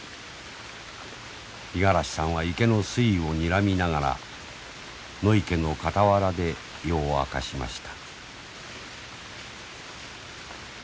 五十嵐さんは池の水位をにらみながら野池の傍らで夜を明かしました。